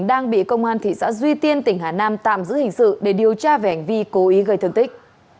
đang bị công an thị xã duy tiên tỉnh hà nam tạm giữ hình sự để điều tra về hành vi cố ý gây thương tích